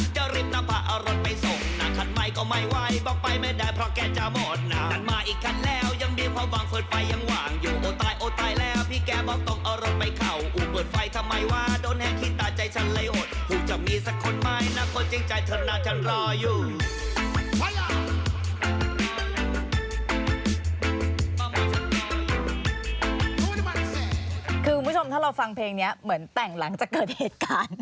คือคุณผู้ชมถ้าเราฟังเพลงนี้เหมือนแต่งหลังจากเกิดเหตุการณ์